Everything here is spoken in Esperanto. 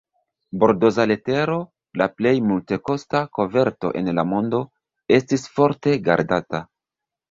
Bordoza letero, la plej multekosta koverto en la mondo, estis forte gardata.